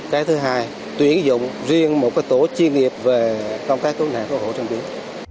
cái thứ hai tuyển dụng riêng một cái tổ chuyên nghiệp về công tác cứu nạn cứu hộ trang biến